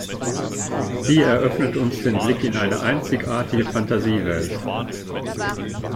Sie eröffnet uns den Blick in eine einzigartige Fantasiewelt.